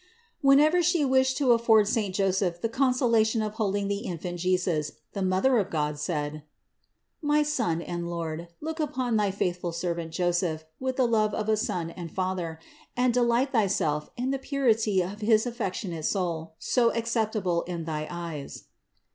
661. Whenever She wished to afford saint Joseph the consolation of holding the Infant Jesus, the Mother of God said : "My Son and Lord, look upon thy faithful servant Joseph with the love of a son and father, and delight Thyself in the purity of his affectionate soul, so acceptable in thy eyes."